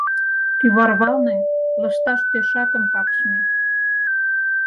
«Кӱварвалне» лышташ тӧшакым вакшме.